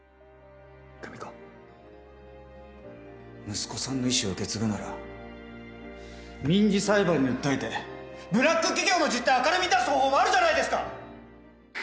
息子さんの遺志を受け継ぐなら民事裁判に訴えてブラック企業の実態を明るみに出す方法もあるじゃないですか！